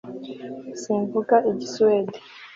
simvuga igisuwede